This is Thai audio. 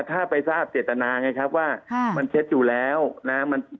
ถ้าไปทราบเจตนาไงครับว่ามันเช็ดอยู่แล้วนะ